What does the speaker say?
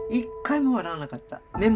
目も笑わなかった。